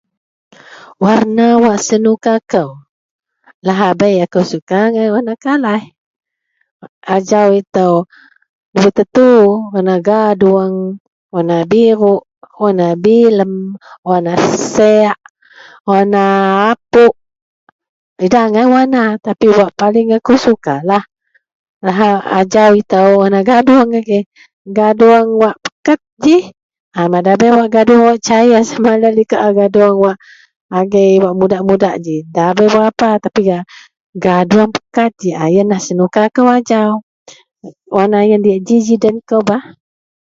warna wak senuka kou, lahabei akou suka agai warna kalaih, ajaou itou dabei tentu warna gadoung, warna biruk, warna bilem, warna sek, warna apuk, idak agai warna tapi wak paling akou sukalah laha ajau itou warna gadoung agei, gadoung wak peket ji, mada bei gadoung wak cair sama laie liko a gaduong agei wak muda-muda ji, da bei berapa tapi gadoung peket ji, ah ienlah senuka kou ajau, warna ien diak ji-ji den kou bah